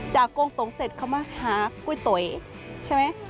โกงตงเสร็จเขามาหากุ้ยต๋ยใช่ไหม